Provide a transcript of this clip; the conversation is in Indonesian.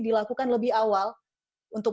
dilakukan lebih awal untuk